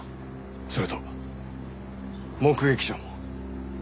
それと目撃者も。